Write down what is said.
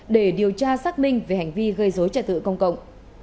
để điều tra xác minh về hành vi gây dối trật tự công cộng